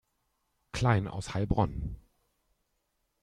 Klein aus Heilbronn.